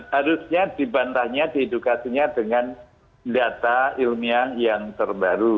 harusnya dibantahnya diedukasinya dengan data ilmiah yang terbaru